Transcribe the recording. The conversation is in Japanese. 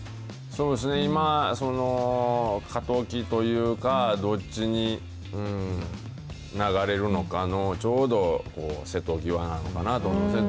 そうですね、今、その過渡期というか、どっちに流れるのかのちょうど瀬戸際なのかなと思いますね。